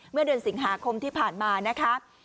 เมื่อเดือนสิงหาคมที่ผ่านมานะคะ